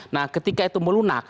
nah ketika itu melunak